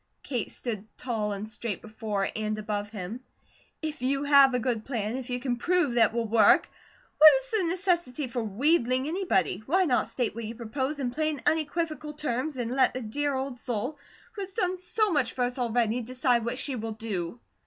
Kate stood tall and straight before and above him "If you have a good plan, if you can prove that it will work, what is the necessity for 'wheedling' anybody? Why not state what you propose in plain, unequivocal terms, and let the dear, old soul, who has done so much for us already, decide what she will do?"